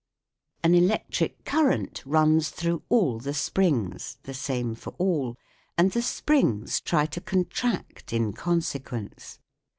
An electric current runs through all SOUND IN MUSIC 57 the springs, the same for all, and the springs try to contract in consequence.